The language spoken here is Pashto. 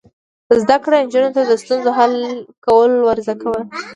زده کړه نجونو ته د ستونزو حل کول ور زده کوي.